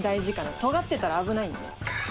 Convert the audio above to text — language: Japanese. とがってたら危ないんで。